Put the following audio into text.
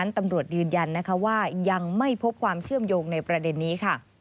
ตำรวจยืนยันว่ายังไม่พบความเชื่อมโยงในประเด็นนี้ค่ะ